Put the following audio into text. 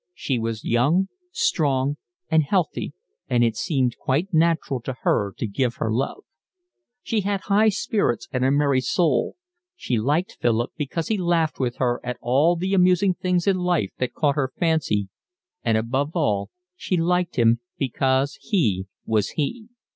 She was young, strong, and healthy, and it seemed quite natural to her to give her love. She had high spirits and a merry soul. She liked Philip because he laughed with her at all the amusing things in life that caught her fancy, and above all she liked him because he was he.